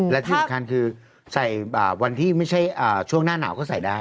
และที่สำคัญคือใส่วันที่ไม่ใช่ช่วงหน้าหนาวก็ใส่ได้